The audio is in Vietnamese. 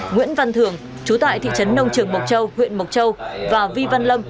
nguyễn văn thường chú tại thị trấn nông trường mộc châu huyện mộc châu và vi văn lâm